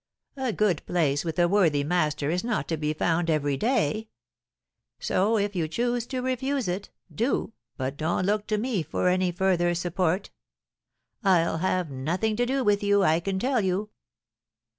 A good place with a worthy master is not to be found every day; so, if you choose to refuse it, do, but don't look to me for any further support; I'll have nothing to do with you, I can tell you!'